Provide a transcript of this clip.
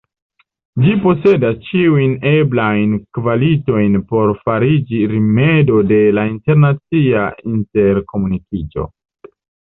Ĝi posedas ĉiujn eblajn kvalitojn por fariĝi rimedo de la internacia interkomunikiĝo.